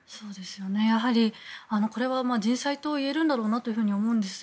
やはり、これは人災と言えるんだろうなと思うんです。